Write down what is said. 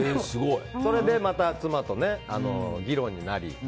それで、また妻と議論になり。